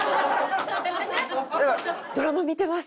だから「ドラマ見てます」。